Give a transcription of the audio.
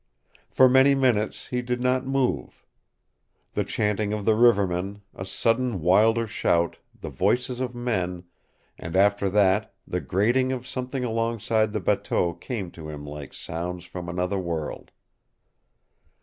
For many minutes he did not move. The chanting of the rivermen, a sudden wilder shout, the voices of men, and after that the grating of something alongside the bateau came to him like sounds from another world.